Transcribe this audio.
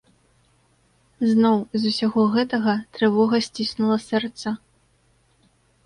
Зноў, з усяго гэтага, трывога сціснула сэрца.